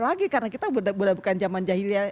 lagi karena kita budak budak bukan zaman jahiliya